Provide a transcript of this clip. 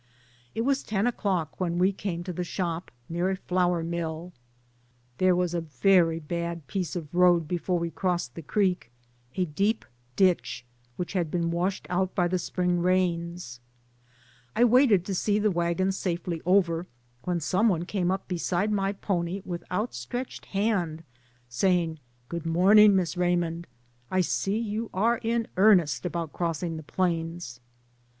It was ten o'clock when we came to the shop, near a flour mill. There was a very bad piece of road before we crossed the creek, a deep ditch had been washed out by the Spring rains. I waited to see the wagons safely over, when some one came beside my pony with outstretched hand saying, "Good morn ing, Miss Raymond, I see you are in earnest about crossing the plains."